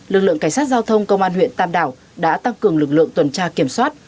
lực lượng cảnh sát giao thông công an huyện tam đảo đã tăng cường lực lượng tuần tra kiểm soát